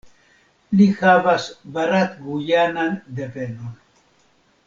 Li havas barat-gujanan devenon.